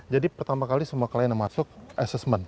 jadi pertama kali semua klien masuk assessment